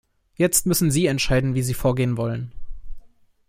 Jetzt müssen Sie entscheiden, wie Sie vorgehen wollen.